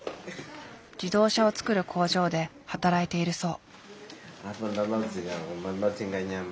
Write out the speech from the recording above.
自動車を作る工場で働いているそう。